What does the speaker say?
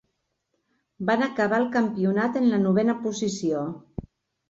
Van acabar el campionat en la novena posició.